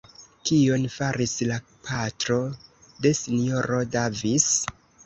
Kion faris la patro de S-ro Davis?